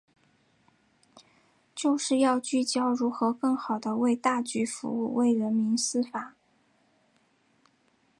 就是要聚焦如何更好地为大局服务、为人民司法